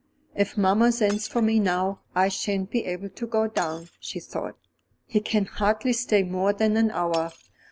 "If mamma sends for me now, I shan't be able to go down," she thought. "He can hardly stay more than an hour.